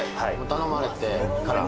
頼まれてから？